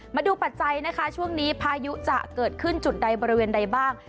ปัจจัยนะคะช่วงนี้พายุจะเกิดขึ้นจุดใดบริเวณใดบ้าง